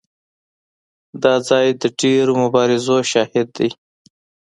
دا ځای د ډېرو مبارزو شاهد دی.